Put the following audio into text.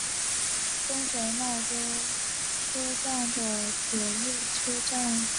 东神奈川车站的铁路车站。